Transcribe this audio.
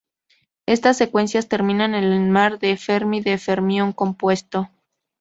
Estas secuencias terminan en el mar de Fermi de fermión compuesto.